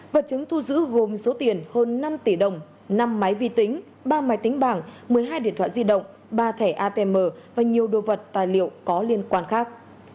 vật chứng thu giữ gồm số tiền hơn năm tỷ đồng năm máy vi tính ba máy tính bảng một mươi hai điện thoại di động ba thẻ atm và nhiều đồ vật tài liệu có liên quan khác